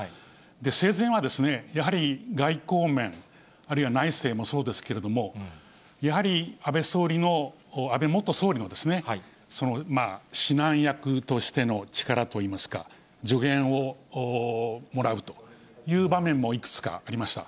生前は、やはり外交面、あるいは内政もそうですけれども、やはり安倍総理の、安倍元総理の指南役としての力といいますか、助言をもらうという場面もいくつかありました。